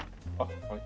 はい。